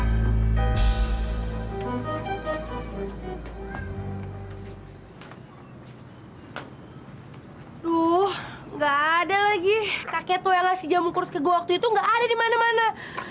aduh gak ada lagi kakek tuyala si jamu kurus ke gue waktu itu gak ada dimana mana